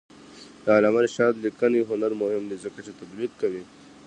د علامه رشاد لیکنی هنر مهم دی ځکه چې تطبیق کوي.